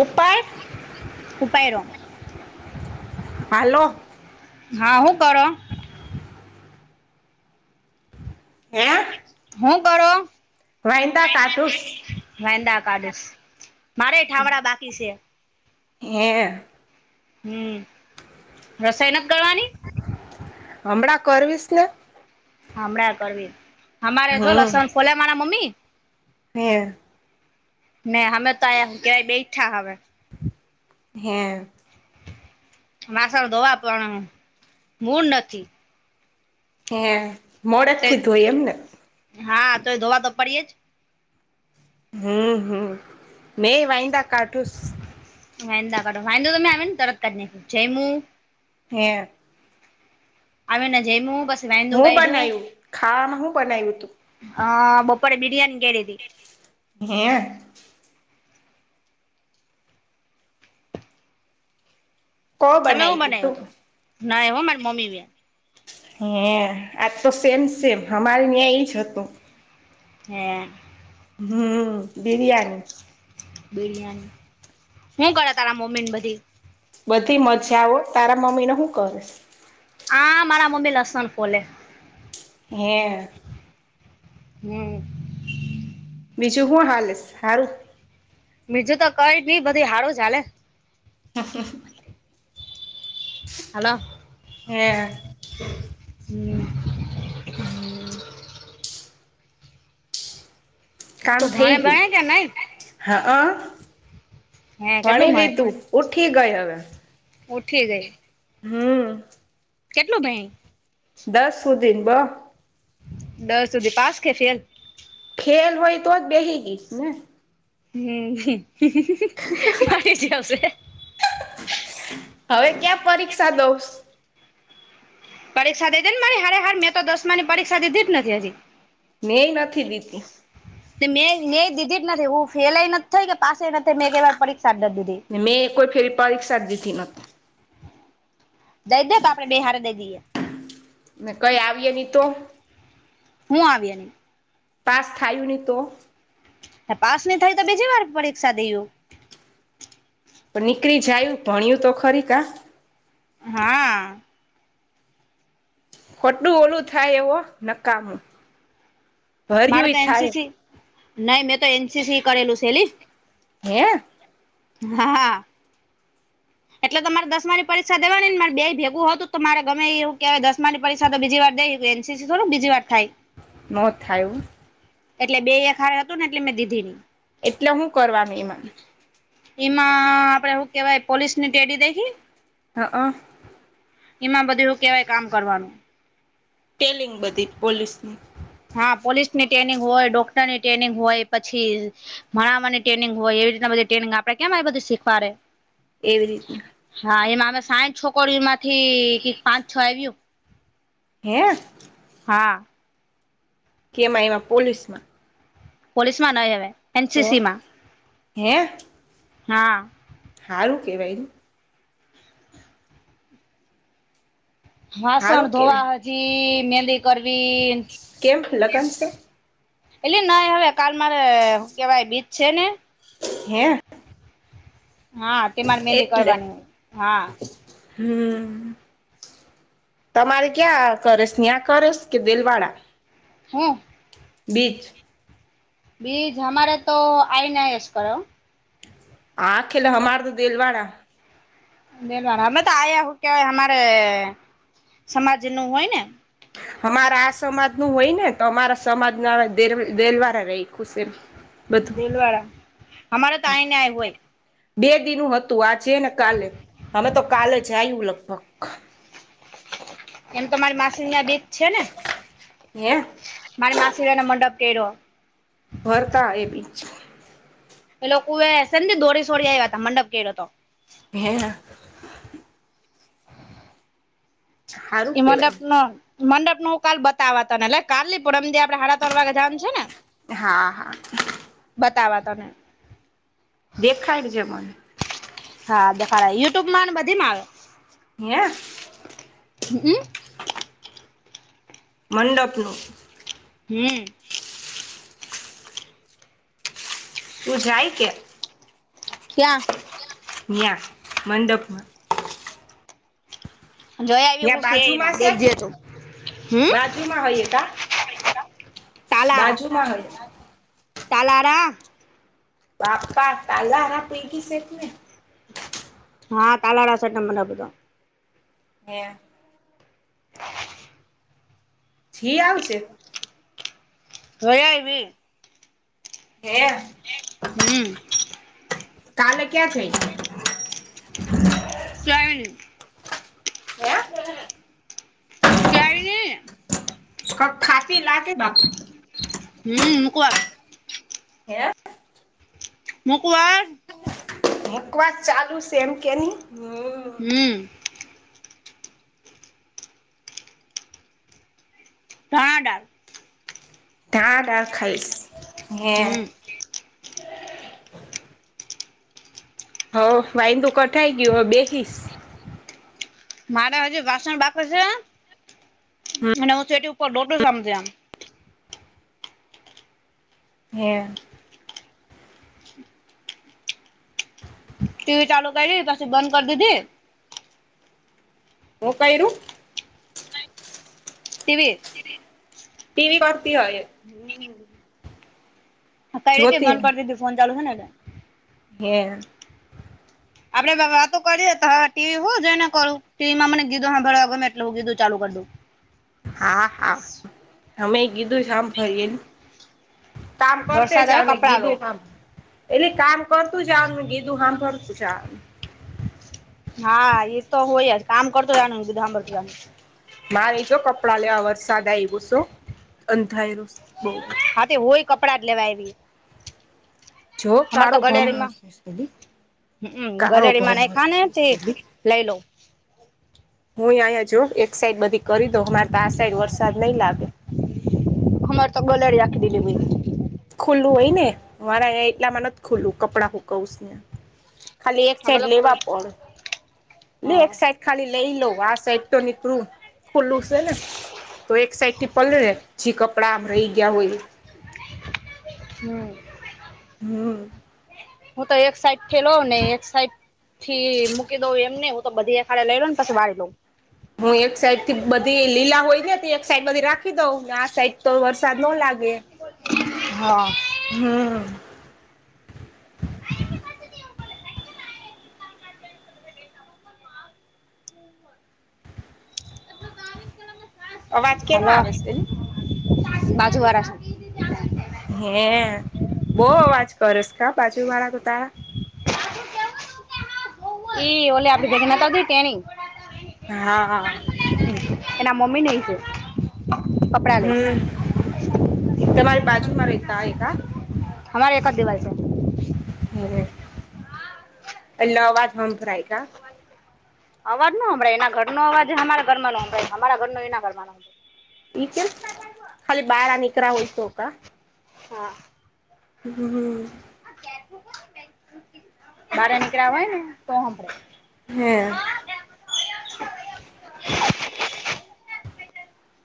[inaudible] ઉપર [unintelligible] હાલો હા હું કરો. હે. હું કરો વાઈંદા કાઢુસ વેંદા કાઢુસ. મારે ઠાવડા બાકી છે. હે. હમ [inaudible] રસાયનક [inaudible] હમણાં કરવીશ ને. હમણાં કરવી અમારે જો હમ લસણ ફોલે મારા મમ્મી. હે. ને અમે તો આ ક્યાય બેઠા હવે. હે વાસણ ધોવા [inaudible] પણ મૂડ નથી. હ મોડદ તે થી ધોઈ એમ ને. હા તો એ ધોવા તોપડીએે જ. હમ હમ મે વાહીંદા કાઠુંસ. વાંદા કઢો વાંદો તો મેં આવી ને તરત કાઢ નાખ્યો જમું હે આવી ને જૈમું બસ હું બનાવ્યું ખાવામાં હું બનાવ્યું હતું. હા બપોરે બિરયાની કરીઈ હતી. [inaudible] હે કો તમે બનાવી શું તી બનાવ્યું તું હતું ના એવો મારી મમ્મી ભ હ આજ તો સેમ સેમ અમારે ન્યાં એજ હતું. હે. [inaudible] હમ બિરિયાની. [inaudible] બિરિયાની [inaudible] શું કર તારા મમી ને બધી. બધી મજા હો તારા મમ્મી ને હું કશ આ મારા મમ્મી લસન ફોલે. હે. હમ. બીજું શું હાલ સારું. બીજું તો કઈ ની બધી હારું હાલે. હ. હલો. હમ. હમ. હમ. કામ તું થઈ ભણે ગયું ભણે કે નઈ હ અ હે કેટલું ભણી ભણે લીધું. ઉઠી ગય હવે. ઉઠી ગઈ. હમ. કેટલું ભાઈ દસ સુધીન બ દસ સુધી પાસ કે ફેલ. ફેલ હોય તો જ બેસી ગઈ ને. હમ મારી જ આવશે. હવે ક્યાં પરીક્ષા દઉસ. પરીક્ષા દીધી ને મારી હરે હાર મેં તો દસમા ની પરીક્ષા દીધી જ નથી હજી. નેય નથી દીધી. મેં મેં દીધી જ નથી હું ફેઇલી નથી થઈ કે પાસે નથ થઈ મેં એકેવાર પરીક્ષા જ નથ દીધી. મેં કોઈ ફેરી પરીક્ષા દી [inaudible] દઈ દે તો આપણે બેહારે દઈ દઈએ. ને કઈ આવીય નહી તો હું આવીએ નહી? પાસ થાયું નહી તો પાસ નહી થાય તો બીજી વાર પરીક્ષા દેવું. પણ નીકળી જાયુ ભણ્યું તો ખરી કા હા હા. ખોટું ઓલું થાય એવો નકામું ભર્યું થાય નઈ મે તો એનસીસી કરેલું શેલી હે હા હા. [inaudible] એટલે તો મારે દસમાની પરીક્ષા દેવાની નેરે બે ભેગું હતું તો મારે ગમે એવું કેવાય દસમાની પરીક્ષા તો બીજી વાર દઈ ગય. સીસી થોડુ બીજી વાર થાય. નો થાયુ. એટલે બે એકખડ હતો ને એટલે મેં દીધી ની એટલે હું કરવાનું એમાં એમાં આપડે હુ કેહવાય પોલીસ ની ટેડી દેખી? હા હ. એમાં બધું એવું કેવાય કામ કરવાનું. ટેલિંગ બધી પોલીસની હા પોલીસ ની ટ્રેનિંગ હોય ડોક્ટર ની ટ્રેનિંગ હોય પછી મણામાંને ટ્રેનિંગ હોય એવી રીતના બધ ટ્રેનિંગ આપણે કેમ બધી શીખવા રે એવી રીતના હા એમાંમે સાંઠ છોકરીઓ માંથી પાંચ છ આવ્યું. હેં હા. કેમઈમાં પોલીસ માં પોલીસ માં નહી હવે તો એનસીસીમાં હે હા. હારું કહેવાય ને વાસણ હારું કેવાય ધોવા હજી મહેંદી કરવી કેમ લગન છે એટલે નહી હવે કાલ મારે કેવાય બીજ છે ને હે હા તે મારે મહેંદી એટલે કરવાની હોય હા હમ. તમારે ક્યાં કરેસ, ન્યાં કરેસ કે દેલવાળા? હુ? બીજ બીજ હમારે તો આઈ ને આઈસ કરે હો આ ખેલા હમાર તો દેલવાડા દેલવાડા, મે તો આયા, હું કેવાય અમારે સમાજ નું હોય ને અમારા આ સમાજ નું હોય ને તો અમારા સમાજ ના દેલવા દેલવારા રાઈખુ સે. [inaudible] દેલવાડા, અમારે તો આઈને આઈ હોય. બે દિનું હતું આજે ને કાલે, અમે તો કાલે જાયૂ લગભગ એમ તો મારી માસીને યા બીચ છે ને? એેં મારી મસીરાનો મંડપ કેઈરો વરતા એ બીચ એ લોકો એ સંદી દોરી સોરી આવ્યા હતા, મંડપ કેયરોતો હે હારું ઇ કેવાય મડપ નો મંડપનું હું કાલ બતાવા તને, લે કાલ ની પરમ દી આપડને. હડાતર વાગે જાવાનું છે ને? હા હા બતાવા તને દેખાડજે મને. હા દેખાડા, યુટ્યુબમાં ને બધીમાં આવે હેં? હમ મંડપનું? હમ તું જાય કે? ક્યાં? ન્યાં, મંડપમાં? જોઈ આવી ત્યાં હું સે બાજુમાં એમાં સે કે? દેખજે તું હમ બાજુમાં હોયએ કા? બાજુમાં હોય. તલારા બાપકા, તાલારા પુઈગી સે તુ એ! હા, તલાાડા સે, ને અમે ને બધા હેં જી આવજે. વય આઇવિ. હેં! હમ કાલે ક્યાં છે ઈ? ક્યાંય ની. હે ક્યાંની? કાંક ખાતી લાગે, બાપ! હમ, મુ કુ આ હે મુકુ હા બકવાસ ચાલુ સે એમ કે ની હ હમ. ધાણાદાળ ધાણાદાળ ખાઈ સ, હેં? હમ હા, વાઈન્દુ કઠાઈ ગયું, હવે બેહિસ. મારા હજ વાસણ બાકી સે અને હું ચેટી ઉપર ડોટું સમજે હે ટી વી ચાલુ કરી પસી બંધ કર દીધી હું કયરુ? ટી વી ટી વી [unintelligible] હોય એે કયરીતી જોતી બંધ કરી દીધું ફોન ચાલુ છે ન એટલે હે આપડે વ વાતો કરીએે તો હ ટી વી હું જોય ને કરું ટી વી માં મને ગીતો હાભરવા ગમે એટલે હું ગીતુ ચાલુ કર દઉ હા હા અમેય ગીધું સાંભરીએન કામ કરતે વરસાદ આવે જામેં કપડાં લો કીધું કામ. એટલે કામ કરતું જાવનુ ને ગીધું હાભરતું જાવનુ હા ઈ તો હોય જ કામ કરતુ જાવનું ને ગીતો હાંભરતુ જાવનુ મારી જો કપડાં લેવા વરસાદ આયવુસ હો અંધાયરું સે બઉ હાં તે હુંય કપડાં જ લેવા આયવી. જો કાળો ભમર ગલેરીમાં [unintelligible] હમ કાળો ગલેરીમાં ભમર નાયખા ને તે [unintelligible] લઈ લઉ હું આંઈયા જો એક સાઈડ બધી કરી દઉ અમાર તો આ સાઈડ વરસાદ નઈ લાગે. અમાર તો ગલેડી આખી ભીની ભીની ખુલ્લું હોય ને અમાડા એટલામાં નથ ખુલુ કપડાં હુકવવુ સ ન્યાં. ખાલી એક સાઈડ લેવા હોય પોણ એલે એક હા સાઈડ. ખાલી લઈ લઉ આ સાઈડ તો નીકરું ખુલ્લું સે ને. તો એક સાઈડથી પલળે જી કપડા આમ રહી ગયા હોય ઈ હમ્મ. હમ્મ. હું તો એક સાઈડ થેલો ને એક સાઈડ. થી મૂકી દઉં એમ ને હું તો બધીયે હાળે લઈ લઉ ને પસી વાળી લઉં. હું એક સાઈડ થી બધી લીલા હોય ને તે એક સાઈડ બધી રાખી દઉં ને આ સાઈડ તો વરસાદ નો લાગે. હાં. હાં. અવાજ કે નો આવે સે હે? બાજુવારા હેં બો અવાજ કરસ કાં બાજુવારા તો તારા એ ઈ ઓલે આપડી દેખનેતાતી તેની. હાં, હા. એના મોમ્મીનેય સે કપડા લઈશ. હમ તમારી બાજુમાં રેતા હોય કા હમારે એક જ દિવાલ સ. હેં હેં એટલે અવાજ હંભરાય કાં અવાજ ન હંભરાય એના ઘરનો અવાજ હમારા ઘરમાં નો હંભરાય હમારા ઘરનો એના ઘરમાં નો ઈ ચ્યમ ખાલી બારા નીકરા હોય તો કાં. હા. હમ્મ બાર નીકળ હોય ને તો. હ્યાં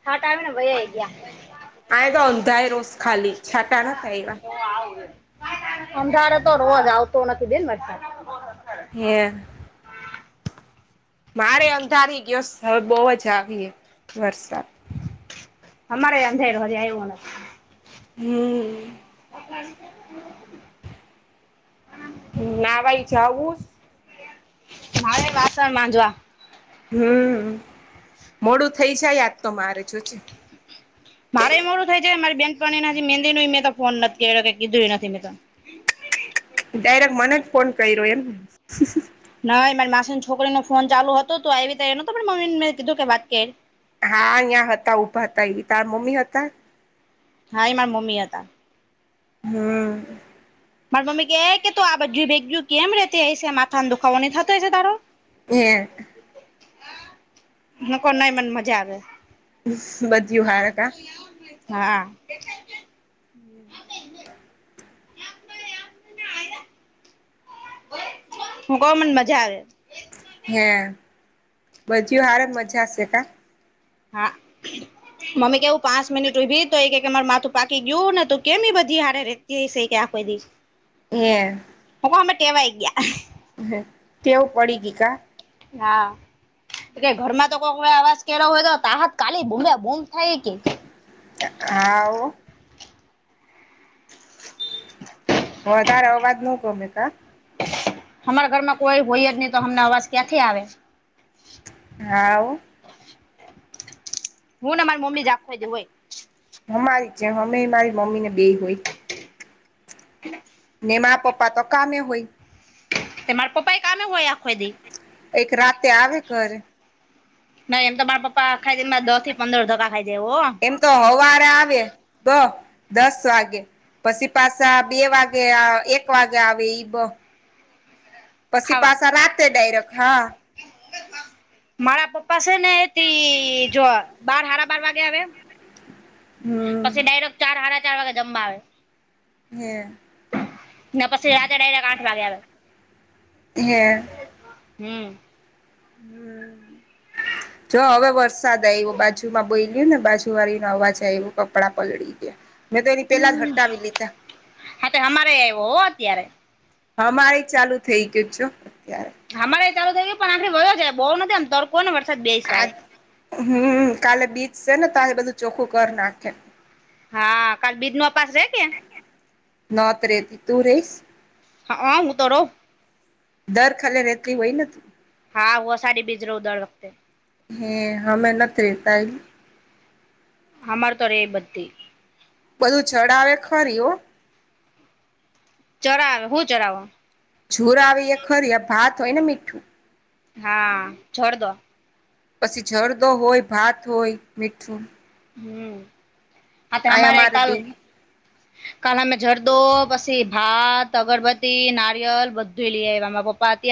હટ આવી ને ભાઈ આવી ગયા. આંય તો અંધાયરુ સ ખાલી છાંતા નથ આયવા. અંધારો તો રોજ આવતો નથી બેન [unintelligible] હેં. મારે અંધારી ગયો સ હવે બહુ જ આવીએ વરસાદ. હમારેય અંધેર હો આયવું ન હમ્મ. અવાજ નો હંભરાય હ ના ભાઈ જાવું. હરે વાસણ જવા. હમ મોડું થઇ જાય યાદ તો મારે જો છે. મારે એમ મોરું થ છે કે મારી બેન પાણી મેંદી ન મેં તો ફોન નથી્યો કીધું એ નથી મેં તો ડાયરેક્ટ મને જ ફોન કર રહ્યો એમ. નાઈ મારી માસી છોકરી નો ફોન ચાલુ હતો તો આવી રીતે એ તો મમ્મ ને મે કીધું કે વાત કે હા અહં હતા ઉઊભા હતા એવી તારા મમ્મી હતા? હા એ મારા મમ્મી હતા. હમ્મ મારી મમ્મી ક કે તો આ બધું ભેગયું કેમ રતી હ છે માથાને દુખોહીં થતો હ છે તારો. [unintelligible] હ કો ન મને મજા આવે. બધયું હારકા. હા. હમ્મ એને આ. હું કહ મને મજા આવે હે બધું હાર જ મજાશે કા. હા. મમ્મ કેવું પાંચ મિટ ભી તો કે કે મારે માથું પાકી ગયું ને તું કેમ બધી હારે રે. તે સ ક આ આપ દશ. એ. હ અમે ટેવાઈ ગયા. હ તેવ પડી ગઈ કા. હા એ ઘરમાં તો કોઈ કોઈ આવાજ. કે હોય તો તાત કાલી બમ બોમ થાય કે. હા. વધારે અવાજ ન ગમે કા. અમારા ઘરમાં કોઈ હોય જ નહી તો અમને અવાજ ક્યાંથી આવે. હા. હું ના મારે મમ્મી જાખવા દે હોય. અમારી જે અમે મારી મમ્મી ને બે હોય ને મા પપ્પા તો કામે હોય. તે મારા પપા એ કમે હોય આખોથી. એક રાતે આવે ઘરે. નાઈ એમ તો મારા પપ્પા ખાઈ એ દસ થી પંદર ધકા ખાઈ દેવ હો. એમ તો હવારે આવે બ દસ વાગે. પછી પાછા બે વાગે એક વાગે આવે બ. પછી ખાવા પાછા રાતે ડાયરેક્ટ હા. મારા પપ્પા છે ને એથી જો બાર સાડા બાર વાગે આવે એમ. પછી હમ ડાયરેક્ટ ચાર સાડા ચાર વાગે જમવા આવે હમ્મ પછી રાતે ડાયરેકટ આઠ વાગે આવે હે [inaudible] હમ્મ. [inaudible] હમ. જો હવે વરસાદ આ એવો બાજુમાં બો લ્યો ને બાજુ વાળી ન અવાજ આવે એવું કપડાં પલળી ગયા. મેં તો એની પેલા જ હટાવી લીધા. [inaudible] હા તો અમારે આવ્યો હો અત્યારે હ મારે ચાલુ થઈ ગયું છો અત્યારે. હમારે ચાલુ થય ગું પણ આખી વયો છે બહુ નથી આમ તરકો ને વરસાદ બે સે. આ હમ કાલે બીચ છે ને ત એ બધું ચોખ્ખું કર નાખે. હા કા બિજ ન અ પાાસ રે કે [inaudible] નોત રેતી તું રહીશ. હા હા હું તો રહો. દર ખાલી રેતી હોય નથી. હા વ સારી બીજ ર ઉ દળ વખતે. હે હમે નથી રેતા એ. અમાર તો રેએ બધી બધું ચડાવે ખરી ઓ ચરાવે હું ચરાવે જોર આવી એ ખરી ભાત હોય ને મીઠું હા જોર દો પછી જરદો હોય ભાત હોય મીઠું હમ્મ [inaudible] હા તે આયા અમારે મારે કાલ દેવી [inaudible] કાલે અમે જરદો પછી ભાત અગરબત્તી નારિયલ બધું લઈ આયા માર પપ્પા અત્યારે